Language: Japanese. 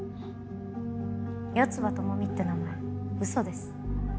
四葉朋美って名前ウソです。